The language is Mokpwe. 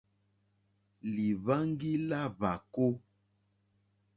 Lìhwáŋɡí lá hwàkó.